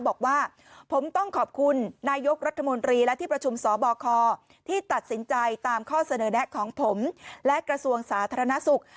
บอกว่าผมต้องขอบคุณนายกรัฐมนตรีและที่ประชุมสบคที่ตัดสินใจตามข้อเสนอแนะของผมและกระทรวงสาธารณสุข